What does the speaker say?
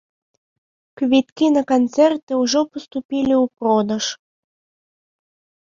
Квіткі на канцэрты ўжо паступілі ў продаж.